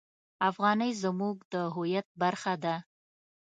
افغانۍ زموږ د هویت برخه ده.